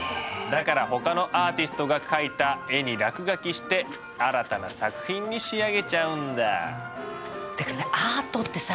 だからほかのアーティストが描いた絵に落書きして新たな作品に仕上げちゃうんだ。